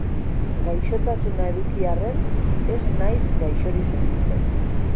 Gaixotasuna eduki arren, ez naiz gaixorik sentitzen.